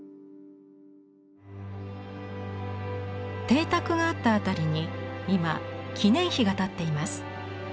邸宅があった辺りに今記念碑が立っています。